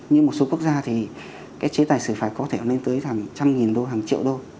như một số quốc gia thì cái chế tài xử phạt có thể lên tới hàng trăm nghìn đô hàng triệu đô